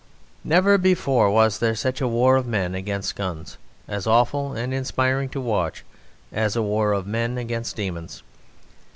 Never before was there such a war of men against guns as awful and inspiring to watch as a war of men against demons.